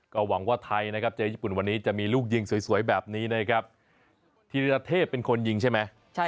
ก็หวังว่าไทยวันนี้จะมีลูกยิงสวยแบบนี้ธิรเทพเป็นคนยิงใช่ไหม